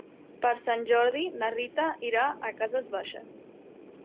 Per Sant Jordi na Rita irà a Cases Baixes.